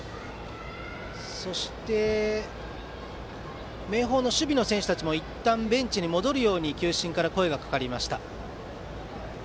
そして、明豊の守備の選手たちもいったんベンチに戻るように球審から声がかかりました。